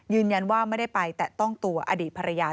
ยืนยันว่าไม่ได้ไปแตะต้องตัวอดีตภรรยา